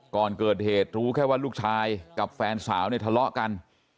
ก่อนเกิดเหตุรู้แค่ว่าลูกชายกับแฟนสาวเนี่ยทะเลาะกัน